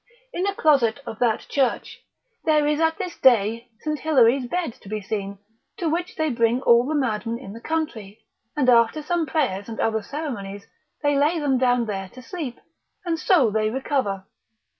In a closet of that church, there is at this day St. Hilary's bed to be seen, to which they bring all the madmen in the country, and after some prayers and other ceremonies, they lay them down there to sleep, and so they recover.